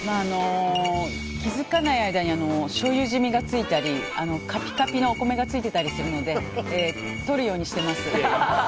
気づかない間にしょうゆジミがついたりカピカピのお米がついてたりするのでとるようにしています。